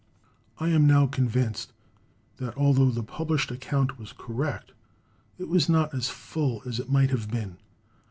I am now convinced that although the published account was correct, it was not as full as it might have been.